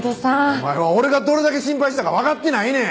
お前は俺がどれだけ心配したかわかってないねん！